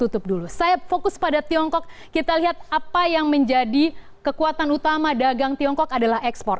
saya fokus pada tiongkok kita lihat apa yang menjadi kekuatan utama dagang tiongkok adalah ekspor